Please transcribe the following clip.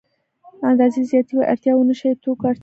اندازې زياتو اړتیاوو نشه يي توکو اړتیا وي.